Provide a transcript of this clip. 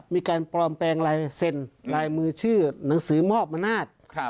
มีการปลอมแปลงลายเซ็นลายมือชื่อหนังสือมอบอำนาจ